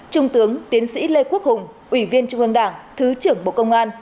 trung tướng tiến sĩ lê quốc hùng ủy viên trung ương đảng thứ trưởng bộ công an